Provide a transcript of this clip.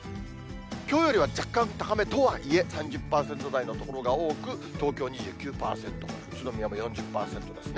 きょうよりは若干高めとはいえ、３０％台の所が多く、東京２９％、宇都宮も４０％ですね。